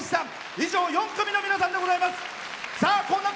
以上、４組の皆さんでございます。